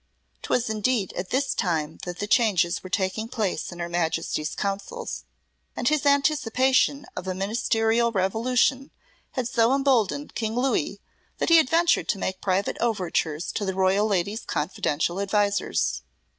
'Twas indeed at this time that the changes were taking place in her Majesty's councils, and his anticipation of a ministerial revolution had so emboldened King Louis that he had ventured to make private overtures to the royal lady's confidential advisers.